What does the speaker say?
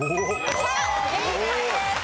正解です。